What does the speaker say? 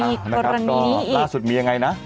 มีกรณีอีกครับล่าสุดมียังไงนะ